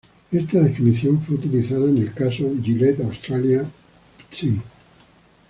Esta definición fue utilizada en el caso Gillette Australia Pty.